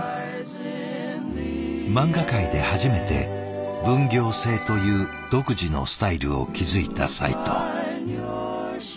漫画界で初めて分業制という独自のスタイルを築いたさいとう。